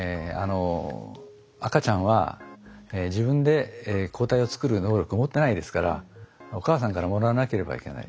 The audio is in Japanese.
赤ちゃんは自分で抗体を作る能力を持ってないですからお母さんからもらわなければいけない。